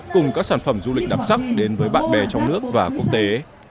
cùng các sản phẩm du lịch đặc sắc đến với bạn bè trong nước và quốc tế